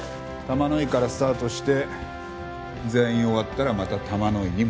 玉乃井からスタートして全員終わったらまた玉乃井に戻る。